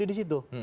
dipilih di situ